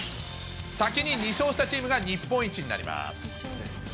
先に２勝したチームが日本一になります。